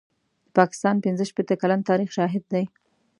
د پاکستان پنځه شپېته کلن تاریخ شاهد دی.